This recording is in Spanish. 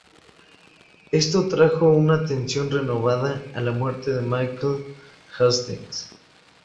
Esto trajo una atención renovada a la muerte de Michael Hastings.